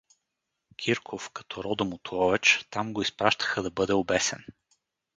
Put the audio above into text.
Кирков, като родом от Ловеч, там го изпращаха да бъде обесен.